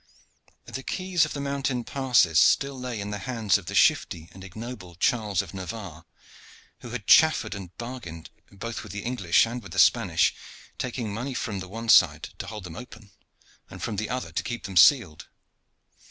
The keys of the mountain passes still lay in the hands of the shifty and ignoble Charles of Navarre, who had chaffered and bargained both with the English and with the Spanish, taking money from the one side to hold them open and from the other to keep them sealed.